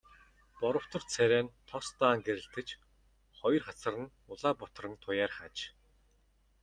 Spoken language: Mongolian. Боровтор царай нь тос даан гэрэлтэж, хоёр хацар нь улаа бутран туяарах аж.